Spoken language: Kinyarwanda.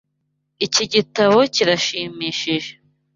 Iki gitabo kirashimishije.